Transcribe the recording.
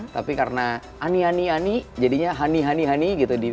tapi karena ani ani ani jadinya honey honey honey gitu